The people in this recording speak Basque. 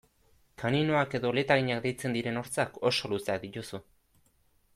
Kaninoak edo letaginak deitzen diren hortzak oso luzeak dituzu.